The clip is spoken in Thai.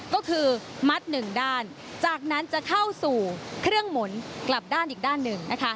ก็คือมัดหนึ่งด้านจากนั้นจะเข้าสู่เครื่องหมุนกลับด้านอีกด้านหนึ่งนะคะ